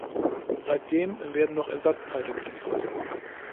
Seitdem werden noch Ersatzteile geliefert.